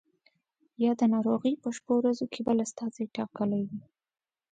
یا د ناروغۍ په شپو ورځو کې بل استازی ټاکلی وو.